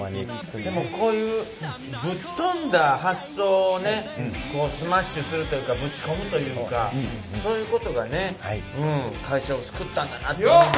でもこういうぶっ飛んだ発想をねスマッシュするというかぶち込むというかそういうことがね会社を救ったんだなって思います。